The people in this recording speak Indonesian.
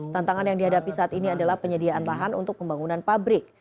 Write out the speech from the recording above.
tantangan yang dihadapi saat ini adalah penyediaan lahan untuk pembangunan pabrik